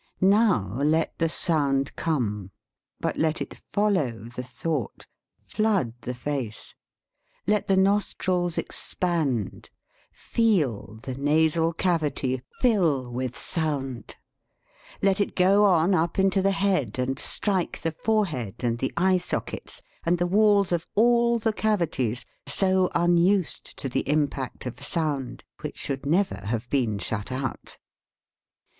Now let the sound come, but let it follow the thought, flood the face, let the nostrils ex pand, feel the nasal cavity fill with sound; let it go on up into the head and strike the forehead and the eye sockets and the walls of all the cavities so unused to the impact of sound, which should never have been shut out.